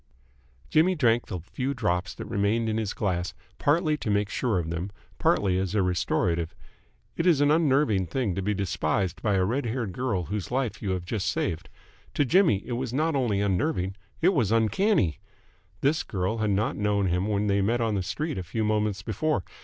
Jimmy drank the few drops that remained in his glass, partly to make sure of them, partly as a restorative. It is an unnerving thing to be despised by a red haired girl whose life you have just saved. To Jimmy it was not only unnerving; it was uncanny. This girl had not known him when they met on the street a few moments before.